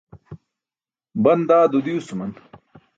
Ban dado diwsuman.